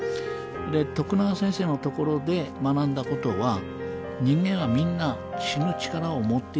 徳永先生のところで学んだことは人間はみんな死ぬ力を持っているということです。